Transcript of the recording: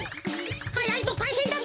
はやいとたいへんだぜ！